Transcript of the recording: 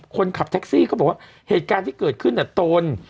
คนขับแท็กซี่เขาบอกว่าเหตุการณ์ที่เกิดขึ้นตน